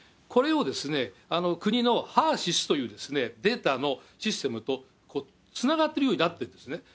これを国のＨＥＲ−ＳＹＳというデータのシステムとつながってるようになってんですね。